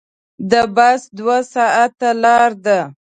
د بس دوه ساعته لاره ده.